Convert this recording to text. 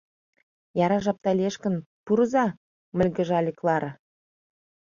— Яра жапда лиеш гын, пурыза... — мыльгыжале Клара.